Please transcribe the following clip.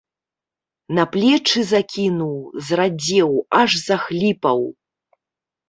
На плечы закінуў, зрадзеў, аж захліпаў!